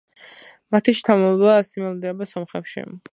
მათი შთამომავლობა ასიმილირდა სომხებში.